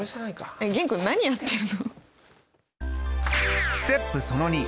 えっ玄君何やってるの。